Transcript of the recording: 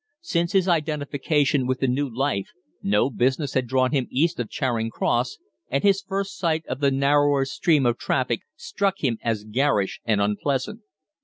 Since his identification with the new life no business had drawn him east of Charing Cross, and his first sight of the narrower stream of traffic struck him as garish and unpleasant.